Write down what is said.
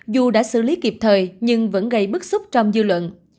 dù đã xử lý kịp thời nhưng vẫn gây bức xúc trong dư luận